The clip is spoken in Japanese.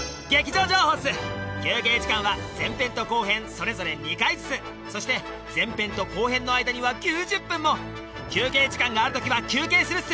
休憩時間は前編と後編それぞれ２回ずつそして前編と後編の間には９０分も休憩時間があるときは休憩するッス！